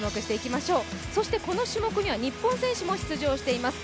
そしてこの種目には日本選手も出場しています。